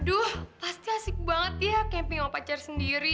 aduh pasti asik banget ya camping sama pacar sendiri